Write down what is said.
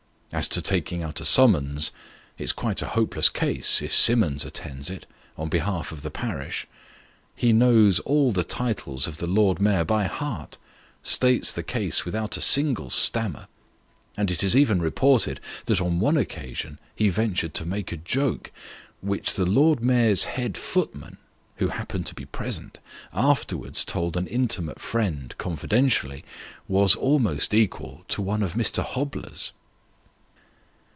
As to taking out a summons, it's quite a hopeless case if Simmons attends it, on behalf of the parish. He knows all the titles of the Lord Mayor by heart ; states the case without a single stammer : and it is even reported that on one occasion he ventured to make a joke, which the Lord Mayor's head footman (who happened to be present) afterwards told an intimate friend, confidentially, was almost equal to one of Mr. Hobler's.